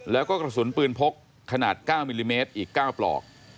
แล้วก็กระสุนปืนพกขนาด๙มิลลิเมตรอีก๙ปลอก